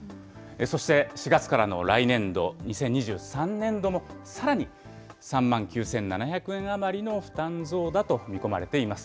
そして４月からの来年度・２０２３年度も、さらに３万９７００円余りの負担増だと見込まれています。